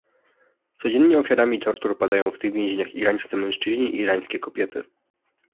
Codziennie ofiarami tortur padają w tych więzieniach irańscy mężczyźni i irańskie kobiety